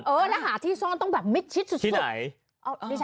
แล้วหาที่ซ่อนต้องแบบมิดชิดสุด